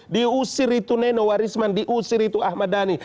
diusir itu nenowarisman diusir itu ahmad dhani